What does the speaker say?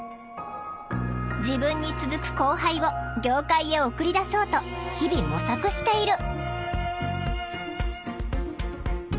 自分に続く後輩を業界へ送り出そうと日々模索している。